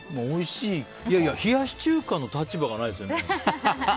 冷やし中華の立場がないですよね。